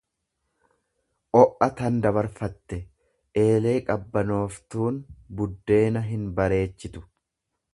o'a tan dabarfatte; Eelee qabbanoof tuun buddeena hinbareechitu.